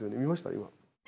今。